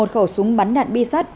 một khẩu súng bắn đạn bi sắt